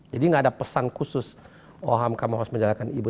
jadi tidak ada pesan khusus oham kamu harus menjalankan ibu